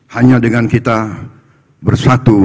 hanya dengan kita bersatu